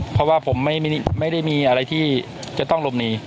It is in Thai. เพราะว่าผมไม่ได้มีอะไรที่จะต้องหลบหนี